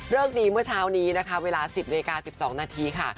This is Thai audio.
เริ่มดีเมื่อเช้านี้นะคะเวลา๑๐๑๒นาทีค่ะ